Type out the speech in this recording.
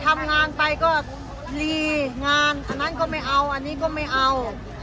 ทำงานไปก็รีงานอันนั้นก็ไม่เอาอันนี้ก็ไม่เอา